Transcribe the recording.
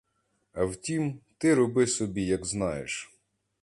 А втім, ти роби собі, як знаєш.